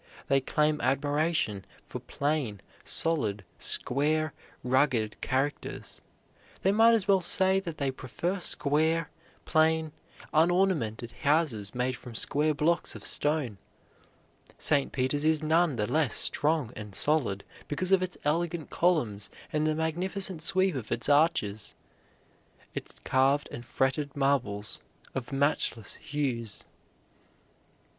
They claim admiration for plain, solid, square, rugged characters. They might as well say that they prefer square, plain, unornamented houses made from square blocks of stone. St. Peter's is none the less strong and solid because of its elegant columns and the magnificent sweep of its arches, its carved and fretted marbles of matchless hues.